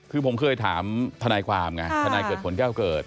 คือผมเคยถามทนายความไงทนายเกิดผลแก้วเกิด